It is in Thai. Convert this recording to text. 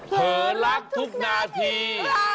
เธอรักทุกนาที